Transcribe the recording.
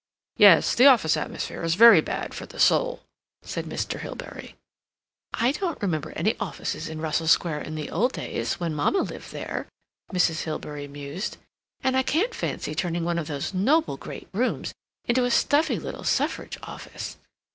"Yes, the office atmosphere is very bad for the soul," said Mr. Hilbery. "I don't remember any offices in Russell Square in the old days, when Mamma lived there," Mrs. Hilbery mused, "and I can't fancy turning one of those noble great rooms into a stuffy little Suffrage office.